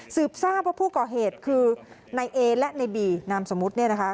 ทราบว่าผู้ก่อเหตุคือนายเอและในบีนามสมมุติเนี่ยนะคะ